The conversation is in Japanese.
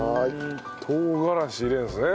唐辛子入れるんですね。